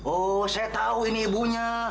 oh saya tahu ini ibunya